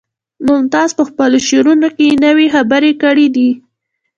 ممتاز په خپلو شعرونو کې نوې خبرې کړي دي